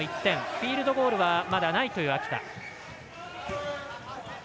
フィールドゴールはまだないという秋田。